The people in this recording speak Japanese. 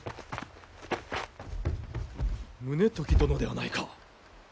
宗時殿ではないか！